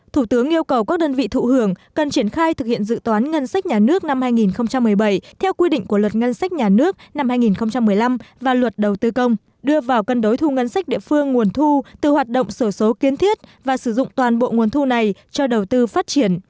thủ tướng yêu cầu các đơn vị thụ hưởng cần triển khai thực hiện dự toán ngân sách nhà nước năm hai nghìn một mươi bảy theo quy định của luật ngân sách nhà nước năm hai nghìn một mươi năm và luật đầu tư công đưa vào cân đối thu ngân sách địa phương nguồn thu từ hoạt động sổ số kiến thiết và sử dụng toàn bộ nguồn thu này cho đầu tư phát triển